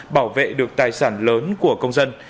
bảo vệ được tài sản lớn của công dân